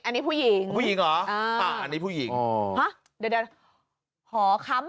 อันนี้ผู้หญิงผู้หญิงเหรออ่าอันนี้ผู้หญิงอ๋อฮะเดี๋ยวหอค้ำ